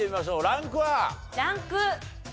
ランク２。